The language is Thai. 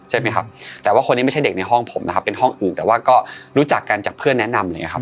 ใช่ไหมครับแต่ว่าคนนี้ไม่ใช่เด็กในห้องผมนะครับเป็นห้องอื่นแต่ว่าก็รู้จักกันจากเพื่อนแนะนำอะไรอย่างเงี้ครับ